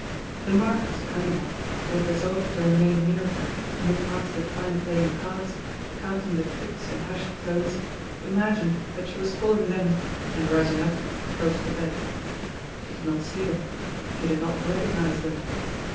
The Marquis and Andermatt, who had resolved to remain near her, and who passed the time playing cards, counting the tricks in hushed tones, imagined that she was calling them, and, rising up, approached the bed. She did not see them; she did not recognize them.